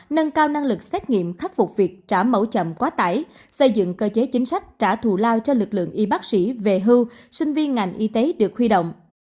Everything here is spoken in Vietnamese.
nâng cao năng lực xét nghiệm khắc phục việc trả mẫu chậm quá tải xây dựng cơ chế chính sách trả thù lao cho lực lượng y bác sĩ về hưu sinh viên ngành y tế được huy động